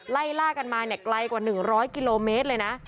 ไล่ล่ากันมาเนี่ยไกลกว่า๑๐๐กิโลเมตรเลยนะ